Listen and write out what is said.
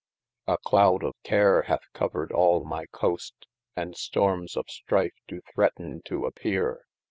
A Cloud of care hath covred all my coste, And stormes of strife doo threaten to appeare